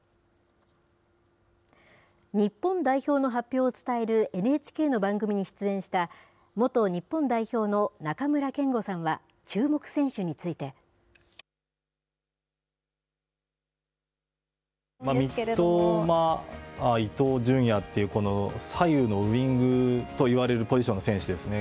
日本代表の発表を伝えるＮＨＫの番組に出演した、元日本代表の中村憲剛さんは、注目選手について。三笘、伊東純也っていう左右のウイングといわれるポジションの選手ですね。